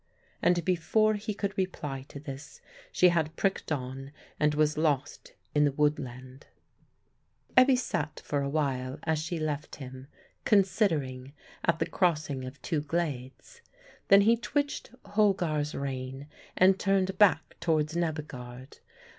And before he could reply to this, she had pricked on and was lost in the woodland. Ebbe sat for a while as she left him, considering, at the crossing of two glades. Then he twitched Holgar's rein and turned back towards Nebbegaard.